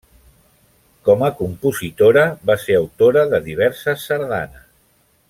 Com a compositora va ser autora de diverses sardanes.